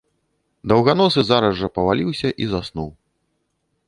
Даўганосы зараз жа паваліўся і заснуў.